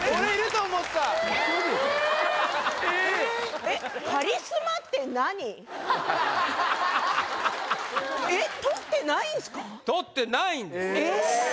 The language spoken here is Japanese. とってないんです・ええ